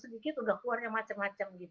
sedikit sudah keluar macam macam